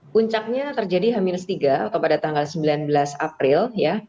puncaknya terjadi h tiga atau pada tanggal sembilan belas april ya